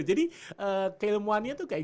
jadi keilmuannya tuh kayak gitu